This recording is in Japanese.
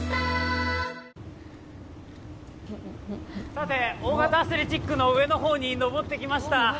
さて、大型アスレチックの上の方に登ってきました。